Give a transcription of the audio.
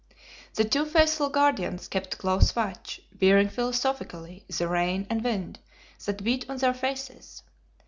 The two faithful guardians kept close watch, bearing philosophically the rain and wind that beat on their faces.